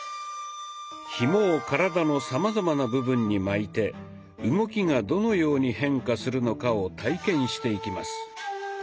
ひもを体のさまざまな部分に巻いて動きがどのように変化するのかを体験していきます。